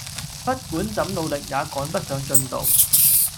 不管怎努力也趕不上進度